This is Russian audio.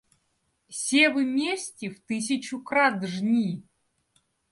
Севы мести в тысячу крат жни!